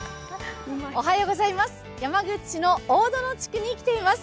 山口市の大園地区に来ています。